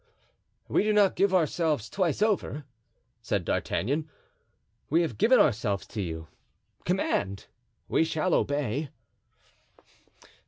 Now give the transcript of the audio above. "We do not give ourselves twice over," said D'Artagnan; "we have given ourselves to you; command, we shall obey."